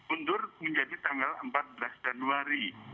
undur menjadi tanggal empat belas januari